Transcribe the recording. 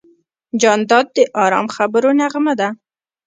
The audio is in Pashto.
جانداد د ارام خبرو نغمه ده.